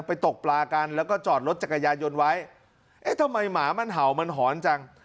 ตกปลากันแล้วก็จอดรถจักรยานยนต์ไว้เอ๊ะทำไมหมามันเห่ามันหอนจัง